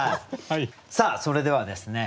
さあそれではですね